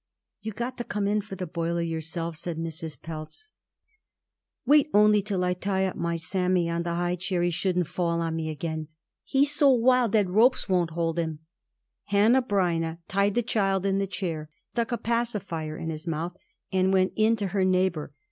"You got to come in for the boiler yourself," said Mrs. Pelz. "Wait only till I tie my Sammy on to the high chair he shouldn't fall on me again. He's so wild that ropes won't hold him." Hanneh Breineh tied the child in the chair, stuck a pacifier in his mouth, and went in to her neighbor.